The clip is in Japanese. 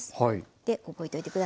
で覚えといて下さい。